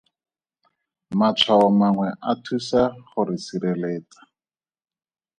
Matshwao mangwe a thusa go re sireletsa.